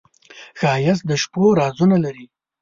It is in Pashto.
ښایست د شپو رازونه لري